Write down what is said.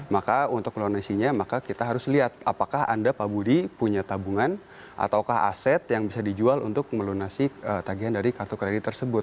maka untuk melunasinya maka kita harus lihat apakah anda pak budi punya tabungan ataukah aset yang bisa dijual untuk melunasi tagihan dari kartu kredit tersebut